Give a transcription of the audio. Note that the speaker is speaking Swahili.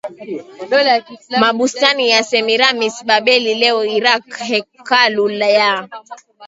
Mabustani ya Semiramis Babeli leo Irak Hekalu ya